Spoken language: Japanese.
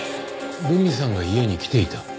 留美さんが家に来ていた？